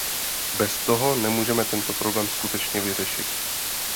Bez toho nemůžeme tento problém skutečně vyřešit.